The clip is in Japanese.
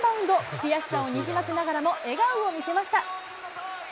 悔しさをにじませながらも、笑顔を見せました。